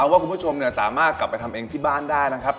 ว่าคุณผู้ชมสามารถกลับไปทำเองที่บ้านได้นะครับ